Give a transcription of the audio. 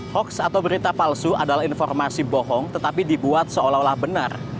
hoax atau berita palsu adalah informasi bohong tetapi dibuat seolah olah benar